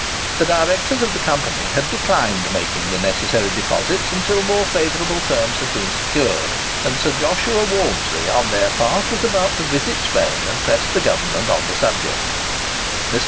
The directors of the Company had declined making the necessary deposits until more favourable terms had been secured; and Sir Joshua Walmsley, on their part, was about to visit Spain and press the Government on the subject. Mr.